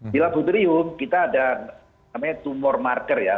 di laboratorium kita ada namanya tumor marker ya